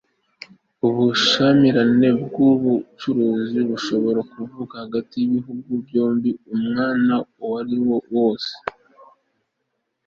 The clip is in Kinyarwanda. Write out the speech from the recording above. ubushyamirane bw'ubucuruzi bushobora kuvuka hagati y'ibihugu byombi umwanya uwariwo wose